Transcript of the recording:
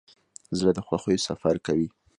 زړه د خوښیو سفر کوي.